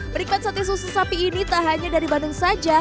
menikmati sate susu sapi ini tak hanya dari bandung saja